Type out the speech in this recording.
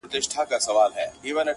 په قسمت کي بری زما وو رسېدلی-